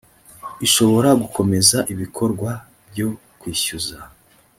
ishobora gukomeza ibikorwa byo kwishyuza